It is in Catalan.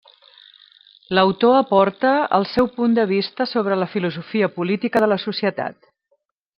L'autor aporta el seu punt de vista sobre la filosofia política de la societat.